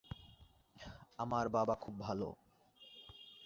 আমার বাবা খুব ভালো।